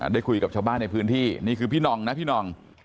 ได้คุยกับชาวบ้านในพื้นที่นี่คือพี่นอง